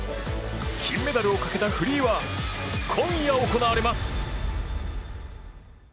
金メダルをかけたフリーは今夜行われます。